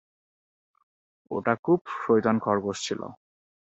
ওটা খুব শয়তান খরগোশ ছিলো।